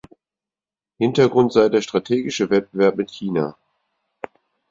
Hintergrund sei der strategische Wettbewerb mit China.